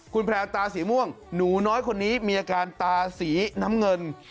คุณแพลวตาสีม่วงหนูน้อยคนนี้มีอาการตาสีน้ำเงิน